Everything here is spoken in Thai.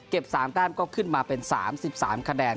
๓แต้มก็ขึ้นมาเป็น๓๓คะแนน